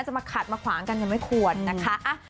จะมาขัดมาขวางกันยังไม่ควรนะคะ